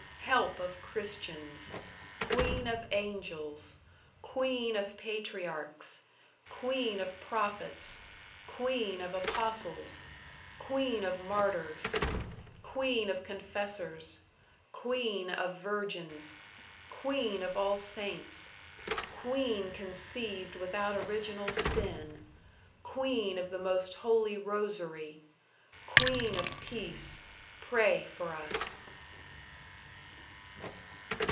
Help of Christians. Queen of Angels. Queen of Patriarchs. Queen of Prophets. Queen of Apostles. Queen of Martyrs. Queen of Confessors. Queen of Virgins. Queen of all Saints. Queen conceived without original sin. Queen of the most holy Rosary. Queen of Peace, Pray for us.